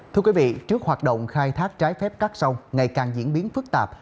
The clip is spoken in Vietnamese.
thưa quý vị trước hoạt động khai thác trái phép các sông ngày càng diễn biến phức tạp